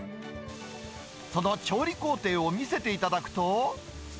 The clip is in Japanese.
その調理工程を見せていただくと。